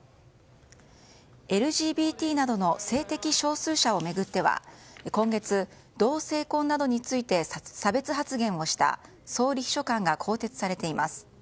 ＬＧＢＴなどの性的少数者を巡っては今月、同性婚などについて差別発言をした総理秘書官が更迭されています。